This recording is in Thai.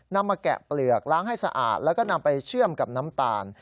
มาแกะเปลือกล้างให้สะอาดแล้วก็นำไปเชื่อมกับน้ำตาล